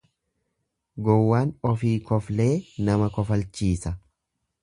Gowwaan ofii koflee nama kofalchiisa.